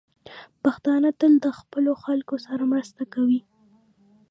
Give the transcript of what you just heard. پښتانه تل د خپلو خلکو سره مرسته کوي.